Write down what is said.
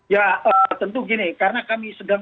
ya tentu gini karena kami sedang